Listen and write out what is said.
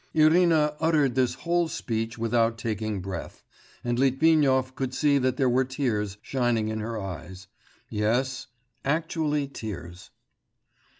Irina uttered this whole speech without taking breath, and Litvinov could see that there were tears shining in her eyes ... yes, actually tears.